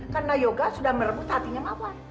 karena yoga sudah merebut hatinya mawar